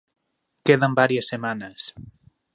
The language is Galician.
Quedan varias semanas.